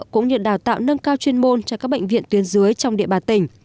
cũng như đào tạo nâng cao chuyên môn cho các bệnh viện tuyến dưới trong địa bàn tỉnh